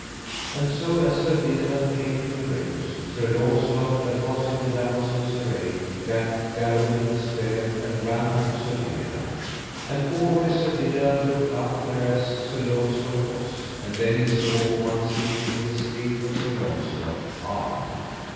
And so as Sir Dinadan came into the range, Sir Launcelot, that was in the damosel's array, gat Galihodin's spear, and ran unto Sir Dinadan. And always Sir Dinadan looked up thereas Sir Launcelot was, and then he saw one sit in the stead of Sir Launcelot, armed.